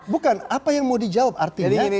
bukan apa yang mau dijawab artinya